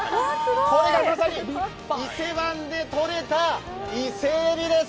これがまさに伊勢湾でとれた伊勢えびです。